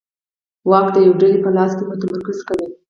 واک د یوې ډلې په لاس کې متمرکز کوي